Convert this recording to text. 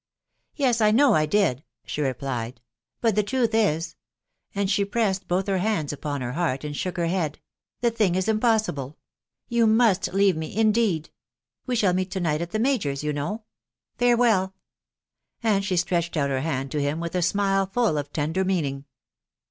" Yes, I know I did," she replied, " but the truth is," .... and she pressed both her hands upon her heart, and shook her bead. ... "the thing is impossible .... You must leave me* indeed 1 .... we shall meet to night at the Ma&ot %, <jtf* THE WIDOW BARNABY. SI know .... farewell !".... and she stretched out her hand to him with a smile full of tender meaning.